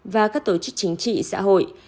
và các tổ chức chính trị xã hội